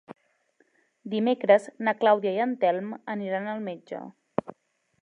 Dimecres na Clàudia i en Telm aniran al metge.